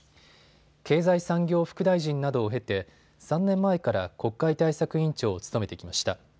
経済産業副大臣などを経て３年前から国会対策委員長を務めてきました。